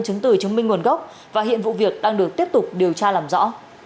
chứng từ chứng minh nguồn gốc và hiện vụ việc đang được tiếp tục điều tra làm rõ